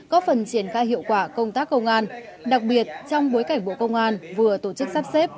có phần triển khai hiệu quả công tác công an đặc biệt trong bối cảnh bộ công an vừa tổ chức sắp xếp